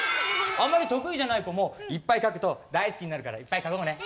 あんまりとくいじゃないこもいっぱいかくとだいすきになるからいっぱいかこうね。